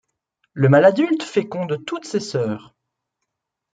Le mâle adulte féconde toutes ses sœurs.